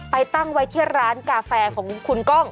ตั้งไว้ที่ร้านกาแฟของคุณก้อง